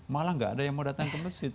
malah nggak ada yang mau datang ke masjid